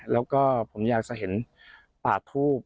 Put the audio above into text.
แล้วก็ผมอยากจะเห็นปากทูบ